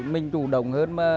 mình chủ động hơn